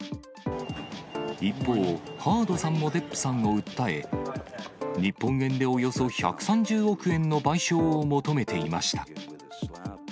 一方、ハードさんもデップさんを訴え、日本円でおよそ１３０億円の賠償を求めていました。